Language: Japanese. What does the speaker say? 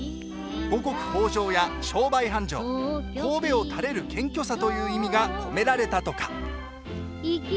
五穀豊穣や商売繁盛頭を垂れる謙虚さという意味が込められたとか。